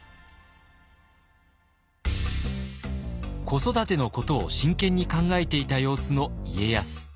子育てのことを真剣に考えていた様子の家康。